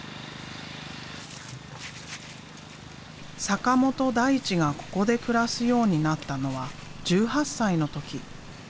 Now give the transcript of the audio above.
坂本大知がここで暮らすようになったのは１８歳の時。